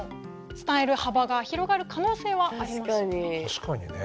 確かにね。